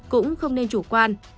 cũng không nên chủ quan